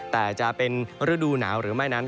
แต่จะเป็นฤดูหนาวหรือไม่นั้น